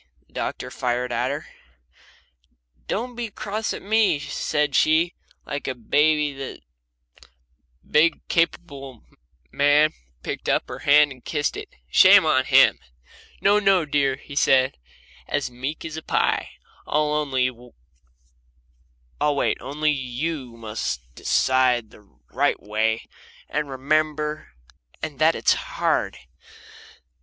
the doctor fired at her. "Don't be cross at me," said she, like a baby, and that big capable man picked up her hand and kissed it shame on him! "No, no, dear," he said, as meek as pie. "I'll wait only you MUST decide the right way, and remember that I'm waiting, and that it's hard."